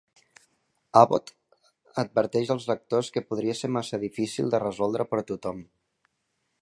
Abbott adverteix els lectors que podria ser massa difícil de resoldre per tothom.